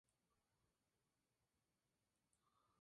La mayoría de sus composiciones son para piano.